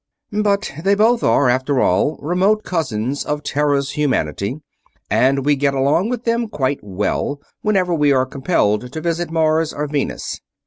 But they both are, after all, remote cousins of Terra's humanity, and we get along with them quite well whenever we are compelled to visit Mars or Venus.